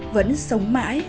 vẫn sống mãi